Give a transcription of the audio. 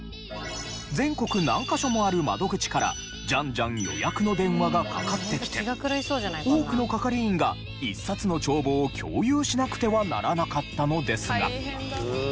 全国何カ所もある窓口からジャンジャン予約の電話がかかってきて多くの係員が１冊の帳簿を共有しなくてはならなかったのですが。